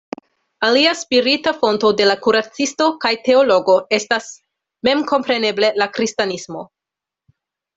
Alia spirita fonto de la kuracisto kaj teologo estas memkompreneble la kristanismo.